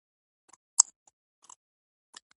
آیا دا د کرنې او سفر لپاره مهم نه دی؟